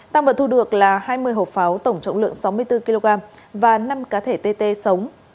tăng vật thu được là hai mươi hộp pháo tổng trọng lượng sáu mươi bốn kg và năm cá thể tt sống